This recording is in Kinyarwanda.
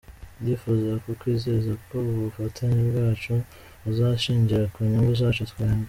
Ndifuza kukwizeza ko ubufatanye bwacu buzashingira ku nyungu zacu twembi.